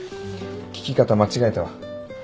聞き方間違えたわ